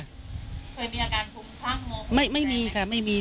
เพิ่มคือทั้งงงไหมไม่มีค่ะไม่มี